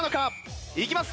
いきます！